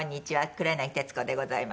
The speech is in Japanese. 黒柳徹子でございます。